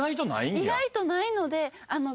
意外とないので。